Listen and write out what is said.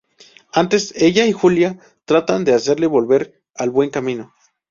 Antes, ella y Julia tratan de hacerle volver al buen camino.